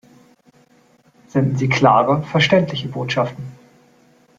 Senden Sie klare, verständliche Botschaften!